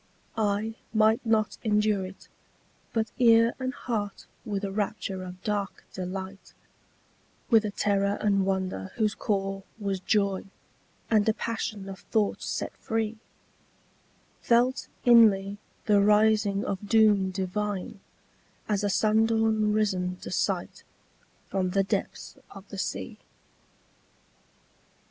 Eye might not endure it, but ear and heart with a rapture of dark delight, With a terror and wonder whose core was joy, and a passion of thought set free, Felt inly the rising of doom divine as a sundawn risen to sight From the depths of the sea.